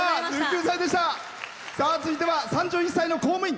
続いては、３１歳の公務員。